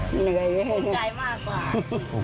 เหนื่อย